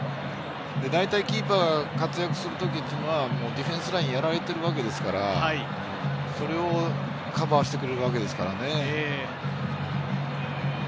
大体キーパーが活躍する時というのはディフェンスラインやられてるわけですから、それをカバーしてくれるわけですからね。